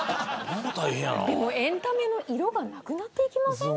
でも、エンタメの色がなくなっていきませんか。